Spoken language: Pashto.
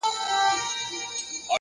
هوډ د شک غږ خاموشوي!